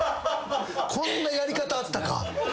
こんなやり方あったか。